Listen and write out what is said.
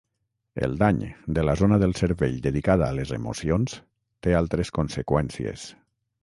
El dany de la zona del cervell dedicada a les emocions té altres conseqüències.